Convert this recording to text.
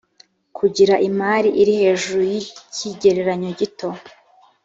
kugira imari iri hejuru y ikigereranyo gito